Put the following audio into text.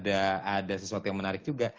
ada sesuatu yang menarik juga